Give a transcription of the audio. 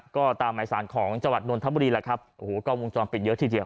ก็ตามหมายสารของจังหวัดนทบุรีแหละครับโอ้โหกล้องวงจรปิดเยอะทีเดียว